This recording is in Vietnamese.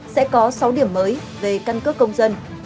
sẽ có sáu điểm mới về căn cước công dân